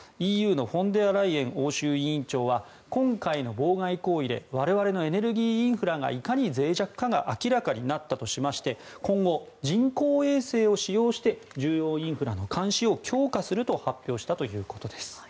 ＥＵのフォンデアライエン欧州委員長は今回の妨害行為で我々のエネルギーインフラがいかに脆弱かが明らかになったとしまして今後、人工衛星を使用して重要インフラの監視を強化すると発表したということです。